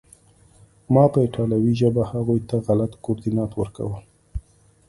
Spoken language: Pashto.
ما به په ایټالوي ژبه هغوی ته غلط کوردینات ورکول